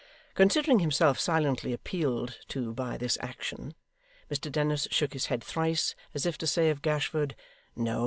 Considering himself silently appealed to by this action, Mr Dennis shook his head thrice, as if to say of Gashford, 'No.